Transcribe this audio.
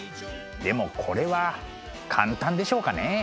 でもこれは簡単でしょうかね？